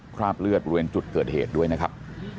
คราบเลือดบริเวณจุดเกิดเหตุด้วยนะครับ